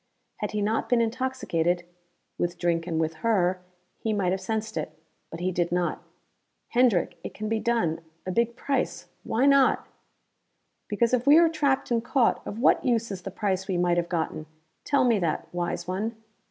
Had he not been intoxicated with drink and with her he might have sensed it. But he did not. "Hendrick, it can be done. A big price. Why not?" "Because if we are trapped and caught, of what use is the price we might have gotten? Tell me that, wise one?"